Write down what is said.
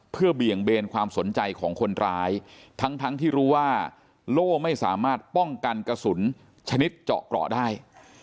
เพื่อเบี่ยงเบนความสนใจของคนร้ายทั้งทั้งที่รู้ว่าโล่ไม่สามารถป้องกันกระสุนชนิดเจาะเกราะได้